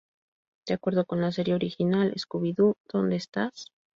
De acuerdo con la serie original "Scooby-Doo ¿dónde estás?